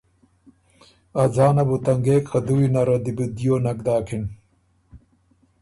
ا ځانه بو تنګېک خه دُوی نره دی بو دیو نک داکِن۔